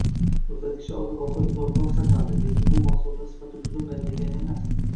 Muzlatkichda oziq-ovqat uzoqroq saqlanadi, lekin bu mahsulotlar sifati buzilmaydi degani emas